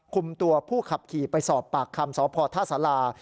คุมตัวผู้ขับขี่ไปสอบปากคำสพท่าสารา